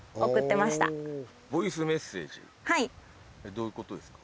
どういう事ですか？